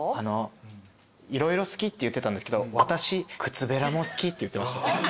色々好きって言ってたんですけど「私靴べらも好き」って言ってました。